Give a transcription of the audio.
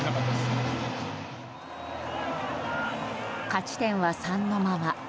勝ち点は３のまま。